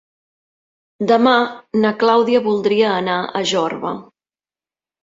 Demà na Clàudia voldria anar a Jorba.